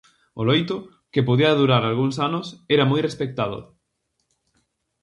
O loito, que podía durar algúns anos, era moi respectado.